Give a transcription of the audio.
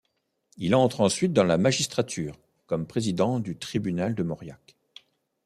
Il entre ensuite dans la magistrature, comme président du tribunal de Mauriac.